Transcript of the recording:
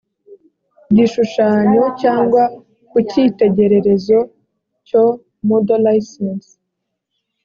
gishushanyo cyangwa ku cyitegererezo cyo model license